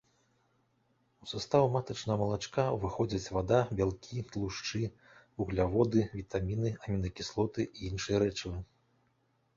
У састаў матачнага малачка ўваходзяць вада, бялкі, тлушчы, вугляводы, вітаміны, амінакіслоты і іншыя рэчывы.